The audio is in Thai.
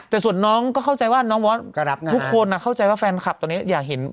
แต่ส่วนน้องก็เข้าใจว่าน้องมอสทุกคนเข้าใจว่าแฟนคลับตอนนี้อยากเห็น